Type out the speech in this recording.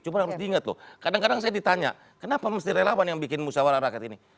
cuma harus diingat loh kadang kadang saya ditanya kenapa mesti relawan yang bikin musyawarah rakyat ini